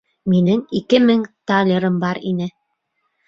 Минең ике мең талерым бар ине.